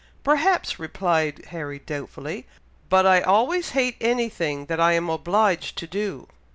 "Perhaps," replied Harry, doubtfully; "but I always hate any thing that I am obliged to do."